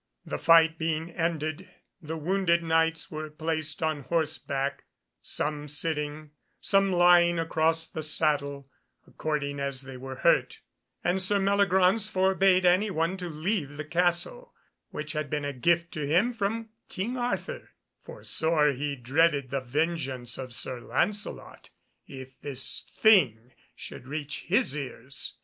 The fight being ended the wounded Knights were placed on horseback, some sitting, some lying across the saddle, according as they were hurt, and Sir Meliagraunce forbade any one to leave the castle (which had been a gift to him from King Arthur), for sore he dreaded the vengeance of Sir Lancelot if this thing should reach his ears.